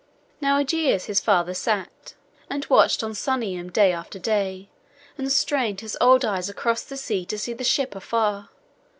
Now Ægeus his father sat and watched on Sunium day after day, and strained his old eyes across the sea to see the ship afar.